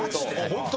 本当？